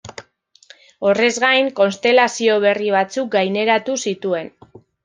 Horrez gain, konstelazio berri batzuk gaineratu zituen.